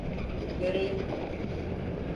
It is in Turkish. Göreyim.